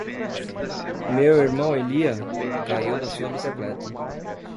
Meu irmão Elijah caiu da sua bicicleta.